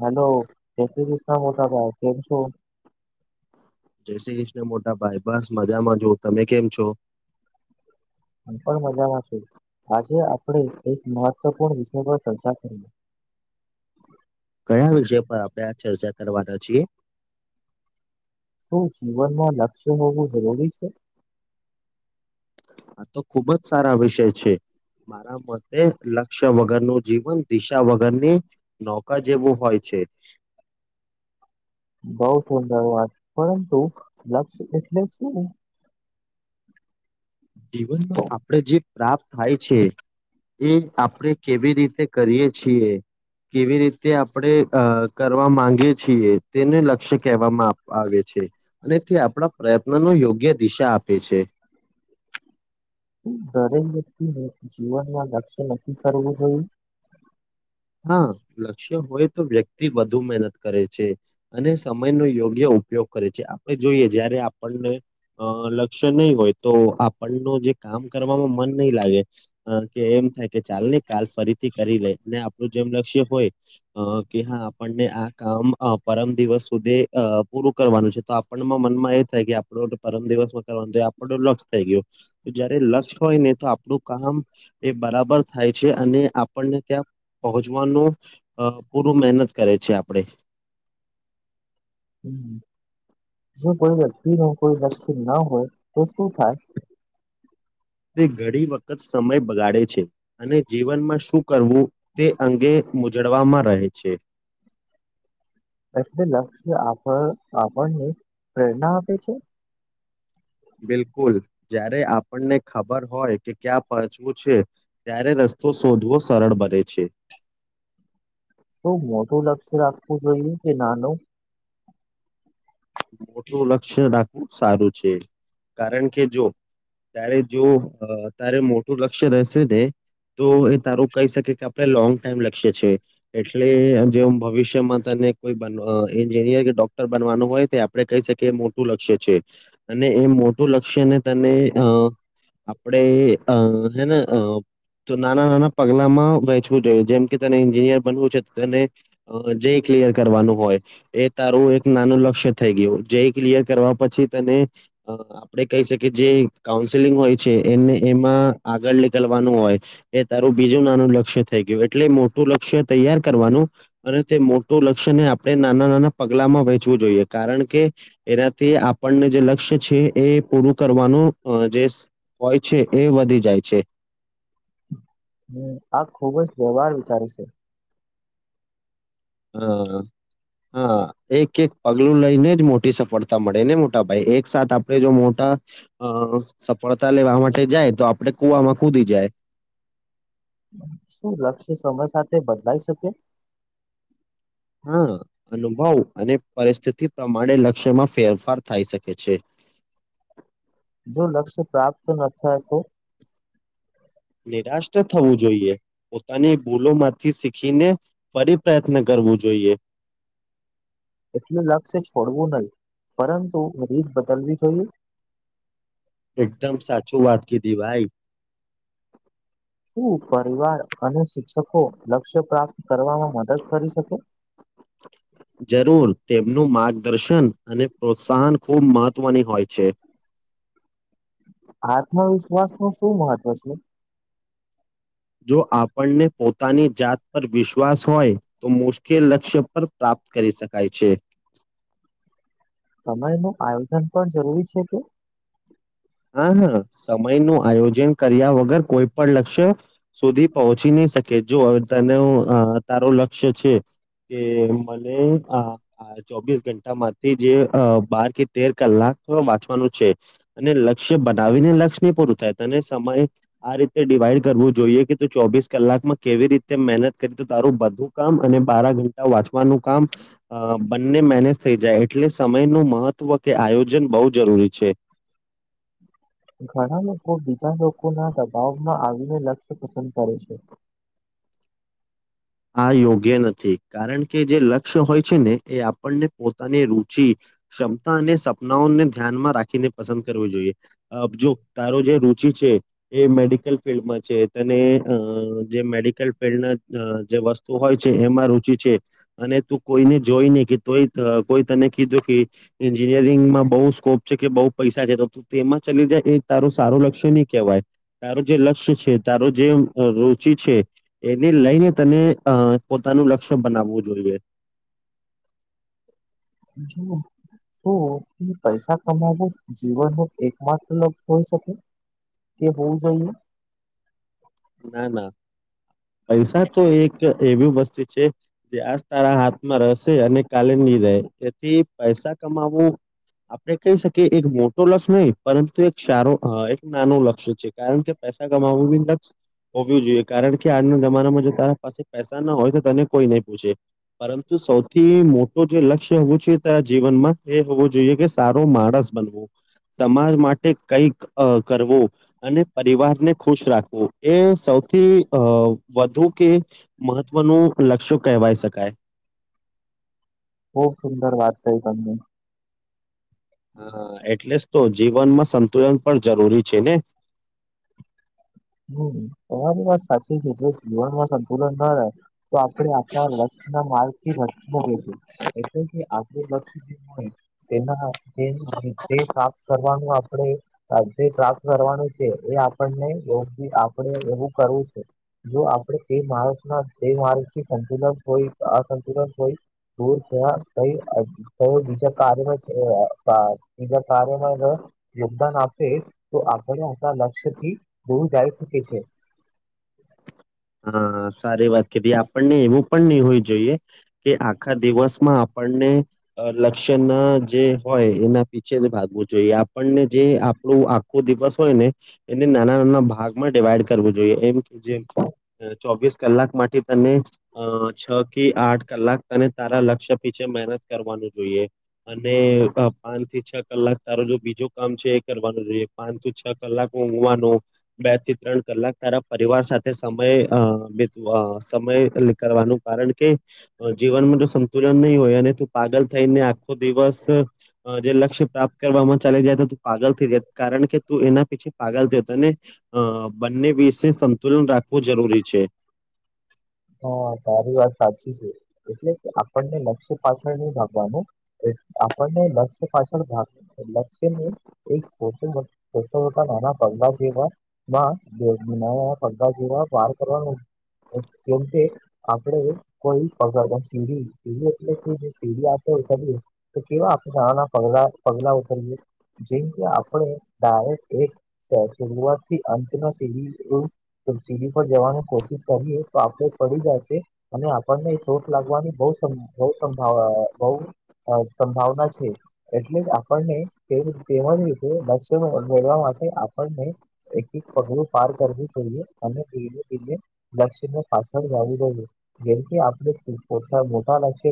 Hello જય શ્રી કૃષ્ણના મોટાભાઈ કેમ છો? જય શ્રી કૃષ્ણ મોટા ભાઈ બસ મજામાં જોુ તમે કેમ છો? પણ મજામાં છું, આજે આપણે એક મહત્વપૂર્ણ વિષય પર ચર્ચા કરી. [unintelligible] કયા વિષય પર આપડણે આ ચર્ચા કરવાના છીએ? શું જીવનમાં લક્ષ્ય હોવું જરૂરી છે? આ તો ખુબ જ સારા વિષય છે. મારા મતે લક્ષ્ય વગરનું જીવન દિશા વગરની નૌકા જેવું હોય છે. બઉ સુંદર વાત, પરંતુ લક્ષ્ય એટલે શું? જીવનમાં આપણેે જે પ્રાપ્ત થાય છે, એ આપણે કેવી રીતે કરીએ છીએ. કેવી રીતે આપણે અ કરવા માંગીએ છીએ તેને લક્ષ્ય કહેવામાં આવે છે. અનેથી આપણા પ્રયત્ન નો યોગ્ય દિશા આપે છે. દરેક વ્યક્તિને જીવનમાં લક્ષ્ય ન કરવું જોઈએ. હા લક્ષ્ય હોય તો વ્યક્તિ વધુ મહેનત કરે છે. અને સમયનો યોગ્ય ઉપયોગ કરે છે આપણે જોઈએ જયારે આપણને, લક્ષ્ય નહીં હોય તો આપણ ન જે કામ કરવાવામાં મન નહી લાગે, કે એમ થાય કે ચાલ ને કાલ ફરીથી કરી લે અને જેમ લક્ષ્ય હોય. અ કે હા આપણને આ કામ પરમ દિવસ સુધી પૂરું કરવાનું છે તો આપ મનમાં એ થાય કે આપણો પરમ દિવસમાં કરવા આપણ લક્ષ થઈ ગયો, જયારે લક્ષ હોય ને તો આપણું કામ, એ બરાબર થાય છે અને આપણને ત્યાં પહોંચવાનું, પૂરું મહેનત કરે છે આપડે. હ જો કોઈ વ્યક્તિ નું કોઈ નકસી ના હોય. તો શું થાય? તે ઘણી વખત સમય બગાડે છે. અને જીવનમાં શું કરવું, તે અંગે મજળવામાં રહે છે. એટલે લક્ષ્ય આપ આપણને પ્રેરણા આપે છે? બિલકુલ, જ્યારે આપણને ખબર હોય કે ક્યાં પહચવું છે. ત્યારે રસ્તો શોધવો સરળ બને છે. તો મોટું લક્ષ્ય રાખવું જોઈએ કે નાનું? મોટું લક્ષ્ય રાખવું સારું છે, કારણ કે જો. ત્યારે જો તારે મોટું લક્ષ્ય રહેશે ને. તો એ તારું કહી શકે કે આપણે લોંગ ટાઈમ લક્ષ્ય છે. એટલે જે ભવિષ્યમાં તને કોઈ એન્જિનિયર કે ડોક્ટર બનવાનું હોય. આપણે કહી શકીએ એ મોટું લક્ષ્ય છે, અને એ મોટું લક્ષ્યને તને અ આપડે અ હેને અ તો નાના નાના પગલામાં વહેચવું જોઈએ જેમ કે તેને એન્જિનિયર બનવું છે તેને અ જે ક્લિયર કરવાનું હોય, એ તારું એક નાનું લક્ષ્ય થઈ ગયો, જેઈ ક્લિયર કરવા પછી તને આપે કહી શકીએ જે કાઉન્સેલિંગ હોય છે એને એમાં આગળ નીકલવાનું હોય. એ તારું બીજું નાનું લક્ષ્ય થઈ ગયું એટલે મોટું લક્ષ્ય તૈયાર કરવાનું. અને તે મોટું લક્ષ્ય ને આપણે નાના નાના પગલામાં વેંચવું જોઈએ. કારણ કે, એનાથી આપણને જે લક્ષ્ય છે, એ પૂરું કરવાનું જે હોય છે એ વધી જાય છે. હ આ ખુબ જ વ્યવહાર વિચાર છે. હા હા, એક એક પગલું લઈને જ મોટી સફળતા. મળે ને મોટા ભાઈ એકસાથ આપડે જો મોટા, અ સફળતા લેવા માટે જાય તો આપડે કુવામાં કૂદી જાય. શું લક્ષ્ય સમય સાથે બદલાઈ શકે? હા! અનુભવ અને પરિસ્થિતિ પ્રમાણે લક્ષ્યમાં ફેરફાર થાય શકે છે. જો લક્ષ્ય પ્રાપ્ત ન થાય તો? નિરાશ ન થવું. જોઈએ. પોતાની ભૂલો માંથી શીખીને, ફરી પ્રયત્ન કરવું જોઈએ. એટલું લક્ષશે છોડવું નહી. પરંતુ રીત બદલવી જોઈએ? એકદમ સાચું વાત કીધી ભાઈ. શું પરિવાર અને શિક્ષકો લક્ષ્ય પ્રાપ્ત કરવામાં મદદ કરી શકે? [inaudible] જરૂર. તેમનું માર્ગદર્શન અને પ્રોત્સાહન ખુબ મહત્વની હોય છે. આત્મવિશ્વાસ નું શું મહત્વ છે જો આપણને પોતાની જાત પર વિશ્વાસ હોય તો મુશ્કેલ લક્ષ્ય પર પ્રાપ્ત કરી શકાય છે સમય નું આયોજન પણ જરૂરી છે કે હા હા સમય નું આયોજન કર્યા વગર કોઈ પણ લક્ષ્ય સુધી પહોંચી નહી શકે જો હવે તને તારું લક્ષ્ય છે કે ચોવીસ ઘંટામાં જે બાર થી તેર કલાક વાંચવાનું છે અને લક્ષ્ય બનાવીને લ પૂરું થાય ત અને સમય આ રીતે ડિવાઈડ કરવું જોઈએ કેું ચોવીસ કલાકમાં કેવી રીતે મહેનત કરી તો તારું બધું કામ અને બારા ઘંટા વાંચવાનું કામ અ બંને મેનેજ થઈ જાય એટલે સમય નું મહત્વ કે આયોજન બહુ જરૂરી છે ઘણા લોકો બીજા લોકો ના દબાવમાં આવીને લક્ષ્ય પસંદ કરે છે આ યોગ્ય નથી કારણ કે જે લક્ષ્ય હોય છે ને એ આપણને પોતાની રુચિ ક્ષમતા અને સપનાઓને ધ્યાનમાં રાખીને પસંદ કરવું જોઈએ આપજો તારો જે રુચિ છે એ મેડિકલ ફિલ્ડમાં છે તને અ જે મેડિકલ ફિલ્ડના જે વસ્તુ હોય છે એમાં રુચિ છે અને તું કોઈને જોઈ નને કેય કોઈ તને કીધું કે એન્જિનિયરિંગમાં બઉુ સ્કોપ છે કે બઉુ પૈસા છે તો તેમાં ચલી જાય એ તારું સારું લક્ષ્ય નહી કહેવાય તારો જે લક્ષ્ય છે તારો જે રુચિ છે એને લઈને તને અ પોતાનું લક્ષ્ય બનાવવું જોઈએ શું પૈસા કમાવો જીવન ન એકમાત્ર લક્ષ હોઈ શકે તે હોવું જોઈએ ના ના પૈસા તો એક એવી વસ્તી છે જે આ તારા હાથમાં રહેસે અને કાલે નહી રહે એથી પૈસા કમાવવું આપડે કહી શકીએ એક મોટ લક્ષ્ય નહીિ પરંતુ એક સારો એક નાનું લક્ષ્ય છે કારણ કે પૈસા કમાવવું બી લક્ષ હોવીું જોઈએ કારણ કે આજના જમાનામાં જો તારા પાસે પૈસા ના હોય તો તને કોઈ નહી પૂછે પરંતુ સૌથી મોટો જે લક્ષ્ય હોવું જો જીવનમાં એ હોવું જોઈએ કે સારો માણસ બનવો સમાજ માટે કઈક કરવો અને પરિવાર ને ખુશ રાખવો એ સૌથી અ વધુ કે મહત્વનું લક્ષ્ય કહેવાય શકાય ખૂબ સુંદર વાતતાય તમને હા એટલે જ તો જીવનમાં સંતુલન પણ જરૂરી છે ને હમ તમારી વાત સાચી છે જો જીવનમાં સંતુલન ના રહે તો આપડણે આણા વ ના માર્ગથી વ મશું એટલે કે આપડ તેના જે કપ કરવાનું આપણે જે ત્રાપ કરવાનું છે એ આપણને આપણેે એવું કરવું છે જો આપણે તે માણસ ના માણસથી સંતુલન હોય અસંતુલન હોય દૂર થ ક બીજા કાર્ય છે જ કાર્યમાં યોગદાન આપે તો આપને આપણા લક્ષ્ય થી દૂર જાય છે હા સારી વાત કીધી આપણને એવું પણ નહી હોય જોઈએ કે આપણા આખા દિવસ- દિવસમાં આપણને લક્ષ્ય ના જે હોય એના પીછે જ ભાગવું જોઈએ આપણને જે આપણું દિવસ હોય ને એને નાના નાના ભાગમાં ડિવાઈડ કરવું જોઈએ એમ કે જેમ અ, ચોવીસ કલાક માટે તને અ છ થી આઠ કલાક તને તારા લક્ષ્ય પીછે મહેનત કરવાનું જોઈએ અને પાન થી કલાક તારો જો બીજો કામ છે એ કરવાનું જોઈએ પાંચ થી છ કલાક ઊઘવાનું બે થી ત્રણ કલાક તારા પરિવાર સાથે સમય અ બધું સમય કરવાનું કારણ કે જીવનમાં જો સંતુલન નહી હોય અને તું પાગલ થઈને આખો દિવસ જે લક્ષ્ય પ્રાપ્ત કરવામાં ચાલી જાય તો તું પાગલ થઈ જાય કારણ કે તું એના પીછી પાગલ થત અને અ બંને વિસને સંતુલન રાખવું જરૂરી છે હા તારી વાત સાચી છે એટલે કે આપણને મ પાછળ નની ભાગવાનું આપણને લ પાછળ ભાગ લક્ષ્ય એકટટ મોટા નાના પગલા છેવા બે મહિના પગા જેવા પાર કરવાનું કેમ કે આપણે કોઈ પગાર સી એ સીડી આપે ઉતરીએ તો કેવા આપે આના પગલા પગલા ઉતરીએ જેમ કે આપણે ડાયરેક્ટ શઆત થી અંતમાં સીડી સીડી પર જવાની કોશિશ કરીએ તો આપણે પડી જશે અને આપણને ચોટ લાગવાની બ સંભાવ બ હ સંભાવના છે એટલે જ આપણને તેમજ રીતેસ્ય મેળવા માટે આપણને એક એક પગડું પાર કરવું જોઈએ અને પ પને લક્ષ પાછળ જ દઈએ જેથી આપણે મોટાક્ષ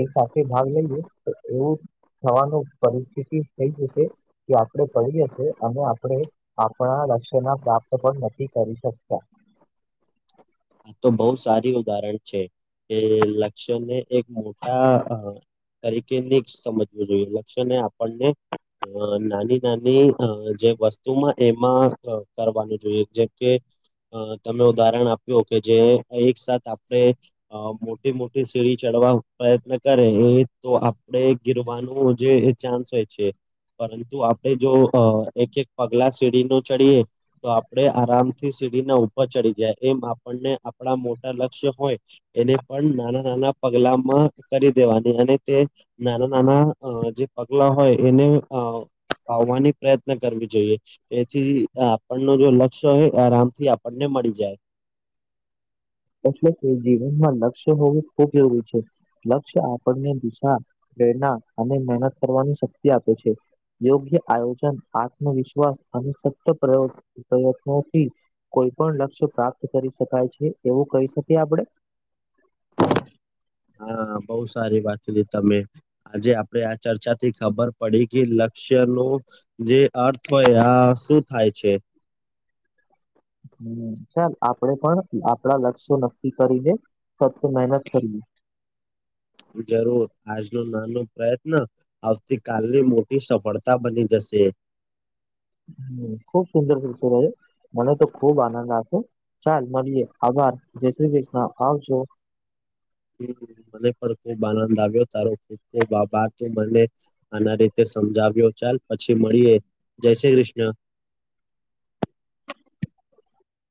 એક સાથે ભાગ લઈએ તો એવું થવાનું પરિસ્થિતિ થઈ જશે કે આપણે પડી હશે અને આપણે આપણા લક્ષ્ય ના પ્રાપ્ત પણ નથી કરી શકતા આ તો બહુ સારી ઉદાહરણ છે એ લક્ષ્યને એક મોટા તરીકે ન સમજવું જોઈએ લક્ષ્ય ને આપણને અ નાની નાની જે વસ્તુમાં એમાં કરવાનું જોઈએ જેમ કે તમે ઉદાહરણ આપ્યું કે જે એકસાથ આપણે અ મોટી મોટી સીડી ચડવા પ્રયત્ન કરે એ તો આપણેે ગીરવાનું જે ચાન્સ હોય છે પરંતુ આપણેે જો એક એક પગલા સીડી નો ચડીએ તો આપણે આરામથી સીડીના ઉપર ચડી જાય એમ આપણને આપણા મોટા લક્ષ્ય હોય એને પણ નાના નાના પગલામાં કરી દેવાની અને તે નાના નાના જે પગલા હોય એને અ ફાવવાની પ્રયત્ન કરવી જોઈએ તેથી આપણ ન જો લક્ષ્ય હોય આરામ થી આપણને મળી જાય એટલે કે જીવનમાં લક્ષ્ય હોવું ખૂબ એવું છે લક્ષ્ય આપણને દિશા પ્રેરણા અને મહેનત કરવાની શક્તિ આપે છે યોગ્ય આયોજન આત્મવિશ્વાસ અને સ પ્રયત્નોથી કોઈ પણ લક્ષ્ય પ્રાપ્ત કરી શકાય છે એવું કહી શકીએ આપડે હા બહુ સારી વાત હતી તમે આજે આપડે આ ચર્ચા થી ખબર પડી કે લક્ષ્ય નું જે અર્થ હોય આ શું થાય છે હ ચાલ આપણેે પણ આપણા લક્ષ્યો નક્કી કરી દે સતથી મહેનત કરીએ જરૂર આજનો નાનો પ્રયત્ન આવતી કલની મોટી સફળતા બની જશે હ ખુબ સુંદર સસર છે મને તો ખુબ આનંદ આવ ચાલ મળીએ આભાર જય શ્રી કૃષ્ણ આવજો હ મને પણ ખુબ આનંદ આવ્યો તારો ખબ ખૂબ આભાર મને આના રીતે સમજાવ્યો ચાલ પછી મળીએ જય શ્રી કૃષ્ણ